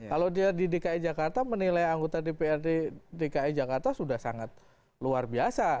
kalau dia di dki jakarta menilai anggota dprd dki jakarta sudah sangat luar biasa